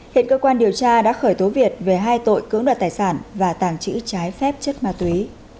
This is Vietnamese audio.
hiện cơ quan điều tra đã khởi tố việt về hai tội cưỡng đoạt tài sản và tàng trữ trái phép chất ma túy